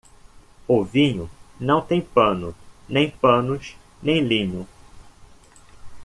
O vinho não tem pano, nem panos nem linho.